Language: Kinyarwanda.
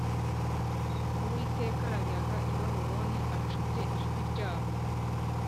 Uwiteka aranyaga i Babuloni acubye ijwi ryaho